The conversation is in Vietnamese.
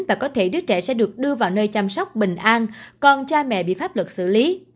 và có thể đứa trẻ sẽ được đưa vào nơi chăm sóc bình an còn cha mẹ bị pháp luật xử lý